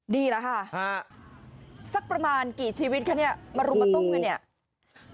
ดีเหรอค่ะสักประมาณกี่ชีวิตแค่นี้มารุมประตุ้มกันเนี่ยโอ้โฮ